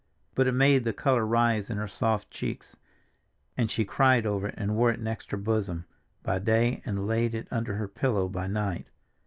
But it made the color rise in her soft cheeks, and she cried over it and wore it next her bosom by day and laid it under her pillow by night.